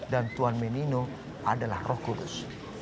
dan tuan menino adalah roh kudus